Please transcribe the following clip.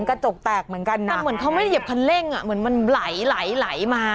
พี่ขาวคนนี้มายังไงคะ